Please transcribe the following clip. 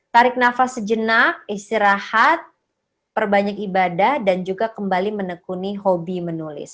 tarik nafas sejenak istirahat perbanyak ibadah dan juga kembali menekuni hobi menulis